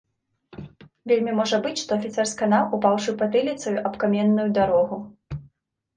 Вельмі можа быць, што афіцэр сканаў, упаўшы патыліцаю аб каменную дарогу.